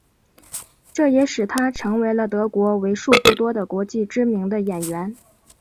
这也使他成为了德国为数不多的国际知名的演员。